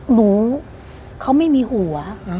หนูเขาไม่มีหัว